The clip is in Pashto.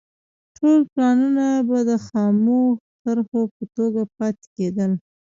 ټول پلانونه به د خامو طرحو په توګه پاتې کېدل.